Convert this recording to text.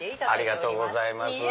ありがとうございます。